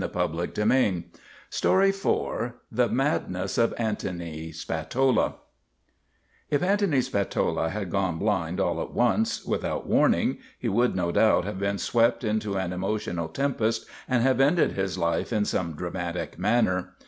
THE MADNESS OF ANTONY SPATOLA THE MADNESS OF ANTONY SPATOLA IF Antony Spatola had gone blind all at once, without warning, he would no doubt have been swept into an emotional tempest and have ended his life in some dramatic manner.